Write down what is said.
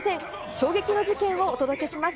衝撃の事件をお届けします。